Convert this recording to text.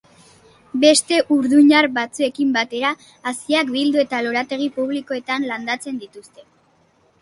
Beste urduñar batzuekin batera, haziak bildu eta lorategi publikoetan landatzen dituzte.